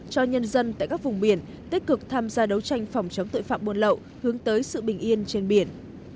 cho nhân dân tại các vùng biển tích cực tham gia đấu tranh phòng chống tội phạm buôn lậu hướng tới sự bình yên trên biển